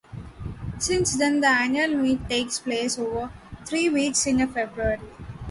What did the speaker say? Since then, the annual event takes place over three weeks in February.